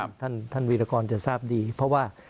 เพราะฉะนั้นท่านวีรกรจะทราบดีเพราะว่า